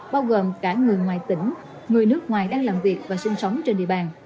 bao gồm cả người ngoài tỉnh người nước ngoài đang làm việc và sinh sống trên địa bàn